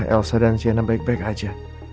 elsa dan siana baik baik aja